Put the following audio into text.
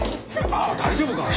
ああ大丈夫か？